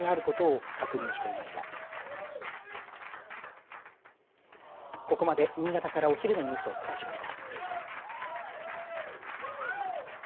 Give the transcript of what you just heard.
ここまで、新潟からお昼のニュースをお伝えしました。